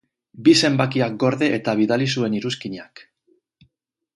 Bi zenbakiak gorde eta bidali zuen iruzkinak!